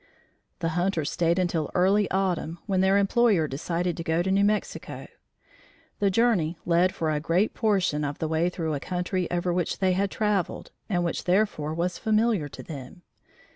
The hunters stayed until early autumn, when their employer decided to go to New Mexico. The journey led for a great portion of the way through a country over which they had travelled, and which therefore was familiar to them.